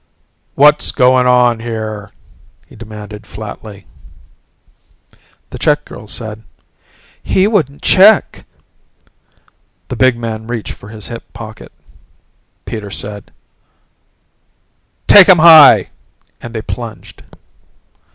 "What's going on here?" he demanded flatly. The check girl said, "He wouldn't check ..." The big man reached for his hip pocket. Peter said, "Take him high!" and they plunged.